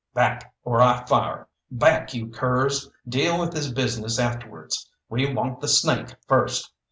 "Back, or I fire! Back, you curs! Deal with this business afterwards we want the snake first!